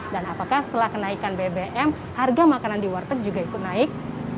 dan apakah setelah kenaikan bbm harga makanan di warteg juga ikut naik